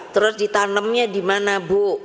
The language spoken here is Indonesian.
terus ditanamnya dimana bu